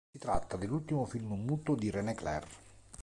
Si tratta dell'ultimo film muto di René Clair.